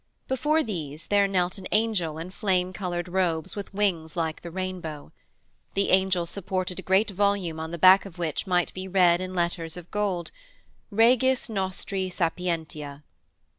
Before these there knelt an angel in flame coloured robes with wings like the rainbow. The angel supported a great volume on the back of which might be read in letters of gold, '_Regis Nostri Sapientia.